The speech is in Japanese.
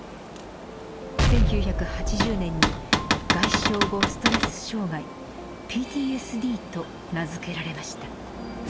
１９８０年に「外傷後ストレス障害」「ＰＴＳＤ」と名付けられました。